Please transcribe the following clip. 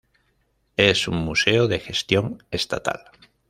Es un museo de gestión estatal.